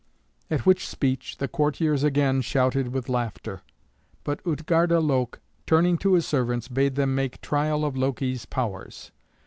At which speech the courtiers again shouted with laughter; but Utgarda Loke, turning to his servants, bade them make trial of Loki's powers.